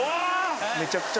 めちゃくちゃ。